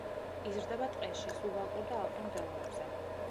იზრდება ტყეში, სუბალპურ და ალპურ მდელოებზე.